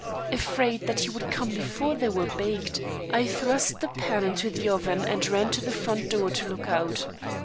Afraid that he would come before they were baked, I thrust the pan into the oven and ran to the front door to look out.